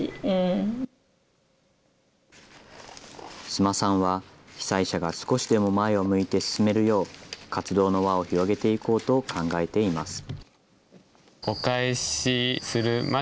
須磨さんは、被災者が少しでも前を向いて進めるよう、活動の輪を広げていこうと考えています。